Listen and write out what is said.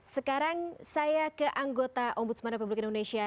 sekarang saya ke anggota ombud semarang republik indonesia